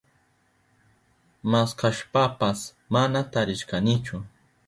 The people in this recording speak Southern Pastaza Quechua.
Maskashpapas mana tarishkanichu.